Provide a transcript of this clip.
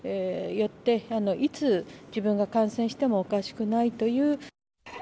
よって、いつ自分が感染してもおかしくないという。